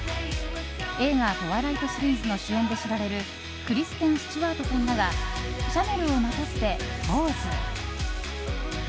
映画「トワイライト」シリーズの主演で知られるクリステン・スチュワートさんらがシャネルをまとってポーズ。